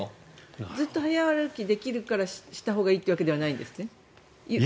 ずっと速歩きできるからしたほうがいいというわけではないんですね。